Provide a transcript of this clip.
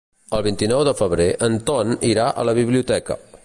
El vint-i-nou de febrer en Ton irà a la biblioteca.